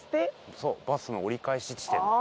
そうバスの折り返し地点ああ